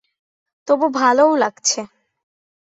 তবু ভালোও লাগছে।